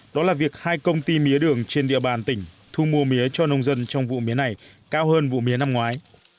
đó là việc hai công ty mía đường trên địa bàn tỉnh thu mua mía cho nông dân trong vụ mía này cao hơn vụ mía năm ngoái